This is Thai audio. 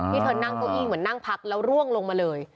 เธอนั่งเก้าอี้เหมือนนั่งพักแล้วร่วงลงมาเลย